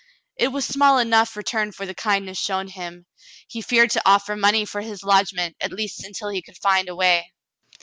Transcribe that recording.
It was small enough return for the kindness shown him. He feared to offer money for his lodgment, at least until he could find a way.